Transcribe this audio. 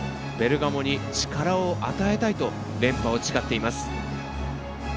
「ベルガモに力を与えたい」と連覇を誓っています。